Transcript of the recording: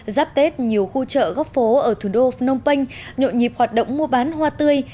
giáp tết nhiều khu chợ góc phố ở thủ đô phnom penh nhộn nhịp hoạt động mua bán hoa tươi